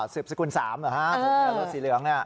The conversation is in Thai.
๑๐สก๓เหรอคะรถสีเหลืองนี่